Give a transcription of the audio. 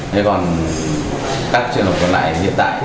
thế còn các trường hợp còn lại hiện tại